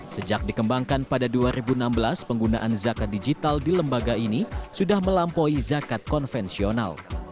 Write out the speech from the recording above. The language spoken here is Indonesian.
sejak dikembangkan pada dua ribu enam belas penggunaan zakat digital di lembaga ini sudah melampaui zakat konvensional